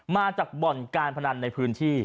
มาจากบ่อนการพนันในพื้นที่